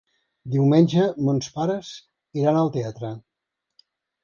Diumenge mons pares iran al teatre.